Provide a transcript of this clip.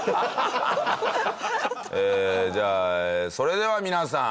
えじゃあそれでは皆さん。